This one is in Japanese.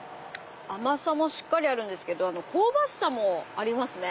甘さもしっかりあるんですけど香ばしさもありますね。